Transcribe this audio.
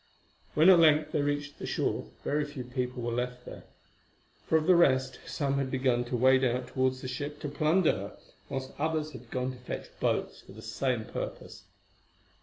When at length they reached the shore, very few people were left there, for of the rest some had begun to wade out towards the ship to plunder her, whilst others had gone to fetch boats for the same purpose.